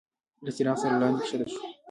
له څراغ سره لاندي کښته شو.